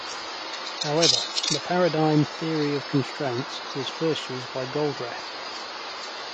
However, the paradigm "Theory of constraints" was first used by Goldratt.